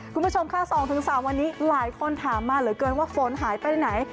คุณผู้ชมค่ะ๒๓วันนี้หลายคนถามมาเหลือเกินว่าฝนหายไปไหน